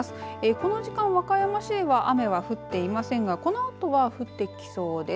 この時間、和歌山市では雨が降っていませんがこのあとは降ってきそうです。